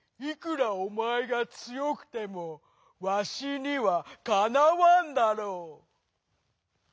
いくらおまえがつよくてもワシにはかなわんだろう」。